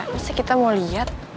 masih kita mau liat